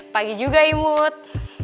pagi juga imut